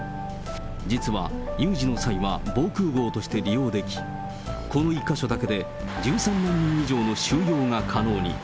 実は、有事の際は防空ごうとして利用でき、この１か所だけで１３万人以上の収容が可能に。